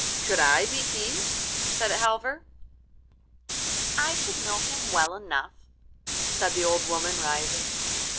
'Could I be he?' said Halvor. 'I should know him well enough,' said the old woman rising.